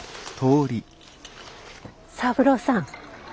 三郎さん。